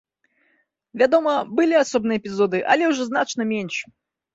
Вядома, былі асобныя эпізоды, але ўжо значна менш.